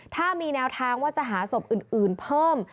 ถ้ามีแนวทางว่าจะหาศพอื่นเพิ่ม